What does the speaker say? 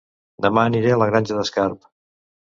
Dema aniré a La Granja d'Escarp